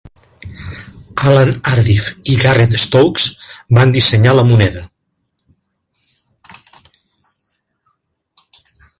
Alan Ardiff i Garrett Stokes van dissenyar la moneda.